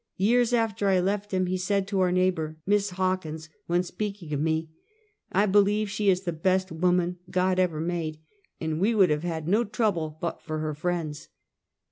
Years after I left him, he said to our neighbor. Miss Hawkins, when speaking of me: " I believe she is the best woman God ever made, and we would have had no trouble but for her friends."